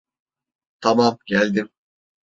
Tamam, geldim.